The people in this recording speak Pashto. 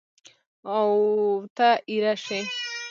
اوته اېره شې!